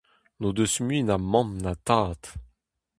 N'o deus mui na mamm na tad.